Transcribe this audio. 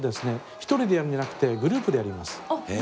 １人でやるんじゃなくてグループでやります。